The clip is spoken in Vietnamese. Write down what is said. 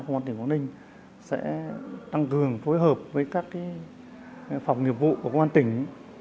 công an tỉnh quảng ninh sẽ tăng cường phối hợp với các phòng nghiệp vụ của công an tỉnh